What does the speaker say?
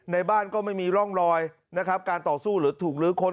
ในบ้านก็ไม่มีร่องรอยนะครับการต่อสู้หรือถูกลื้อค้น